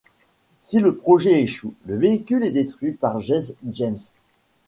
Si le projet échoue, le véhicule est détruit par Jesse James.